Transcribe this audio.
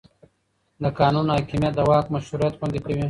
د قانون حاکمیت د واک مشروعیت خوندي کوي